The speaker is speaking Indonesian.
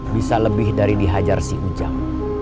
bisa lebih dari dihajar si ujang